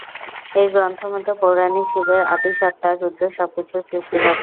এই গ্রন্থ মতে, পৌরাণিক শিবের আদি সত্ত্বা রুদ্র সব কিছুর সৃষ্টিকর্তা।